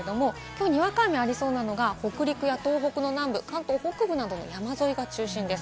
にわか雨がありそうなのが北陸や東北の南部、関東北部などの山沿いが中心です。